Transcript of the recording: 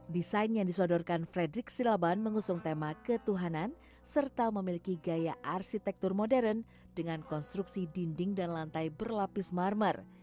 desain yang disodorkan frederick silaban mengusung tema ketuhanan serta memiliki gaya arsitektur modern dengan konstruksi dinding dan lantai berlapis marmer